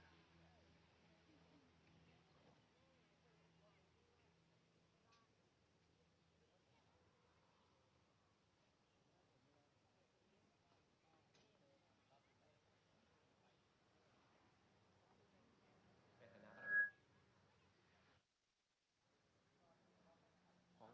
สวัสดีครับ